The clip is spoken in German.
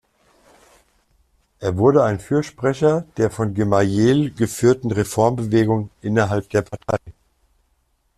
Er wurde ein Fürsprecher der von Gemayel geführten Reformbewegung innerhalb der Partei.